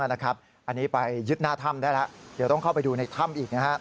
อันนี้ไปยึดหน้าถ้ำได้แล้วเดี๋ยวต้องเข้าไปดูในถ้ำอีก